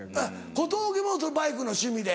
小峠もバイクの趣味で？